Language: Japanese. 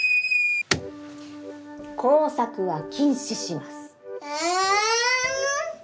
工作は禁止しますええ！